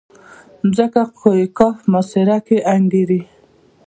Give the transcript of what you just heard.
ځمکه کوه قاف محاصره کې انګېري.